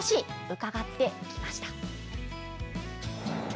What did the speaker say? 伺ってきました。